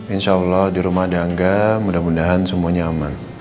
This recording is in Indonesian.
insya allah di rumah ada angga mudah mudahan semuanya aman